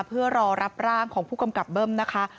เพื่อรอรับร่างของผู้กำกับเบิ้มนะคะ